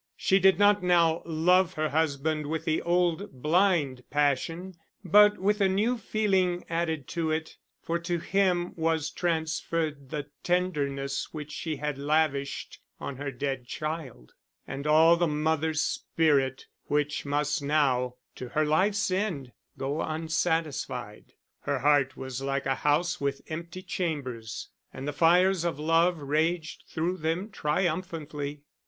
She did not now love her husband with the old blind passion, but with a new feeling added to it; for to him was transferred the tenderness which she had lavished on her dead child, and all the mother's spirit which must now, to her life's end, go unsatisfied. Her heart was like a house with empty chambers, and the fires of love raged through them triumphantly.